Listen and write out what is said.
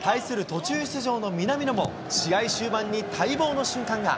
途中出場の南野も、試合終盤に待望の瞬間が。